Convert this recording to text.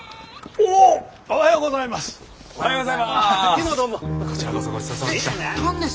おはようございます。